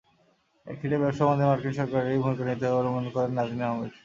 একচেটিয়া ব্যবসা বন্ধে মার্কিন সরকারকেই ভূমিকা নিতে হবে বলে মন্তব্য করেন নাজনীন আহমেদ।